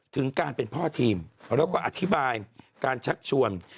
ถึงการเป็นพ่อทีมแล้วก็อธิบายการชักชวน